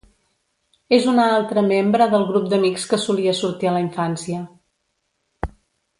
És una altra membre del grup d'amics que solia sortir a la infància.